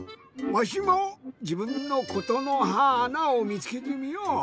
わしもじぶんの「ことのはーな」をみつけてみよう。